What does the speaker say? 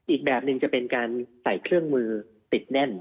อีกแบบหนึ่งจะเป็นการใส่เครื่องมือติดแน่น